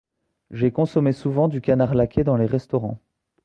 J'ai consommé souvent du canard laqué dans les restaurants.